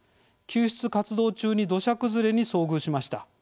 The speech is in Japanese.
救出活動中に土砂崩れに遭遇しました。